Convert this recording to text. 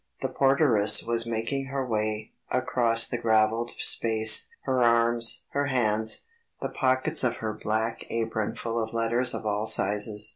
The porteress was making her way across the gravelled space, her arms, her hands, the pockets of her black apron full of letters of all sizes.